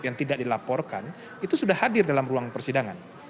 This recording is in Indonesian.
yang tidak dilaporkan itu sudah hadir dalam ruang persidangan